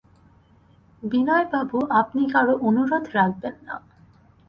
বিনয়বাবু, আপনি কারো অনুরোধ রাখবেন না।